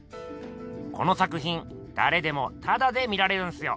この作品だれでもタダで見られるんすよ。